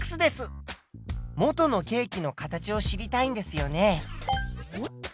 元のケーキの形を知りたいんですよね？